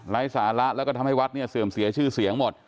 สาระแล้วก็ทำให้วัดเนี่ยเสื่อมเสียชื่อเสียงหมด